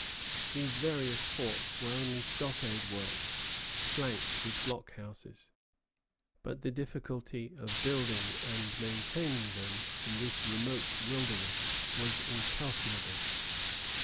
These various forts were only stockade works flanked with block houses; but the difficulty of building and maintaining them in this remote wilderness was incalculable.